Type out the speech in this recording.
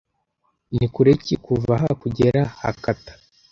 Ni kure ki kuva aha kugera Hakata?